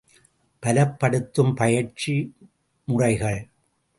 பலப்படுத்தும் பயிற்சி முறைகள் ….